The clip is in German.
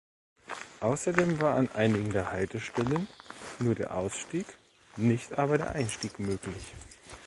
Außerdem war an einigen der Haltestellen nur der Ausstieg, nicht aber der Einstieg möglich.